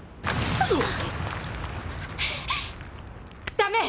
ダメ！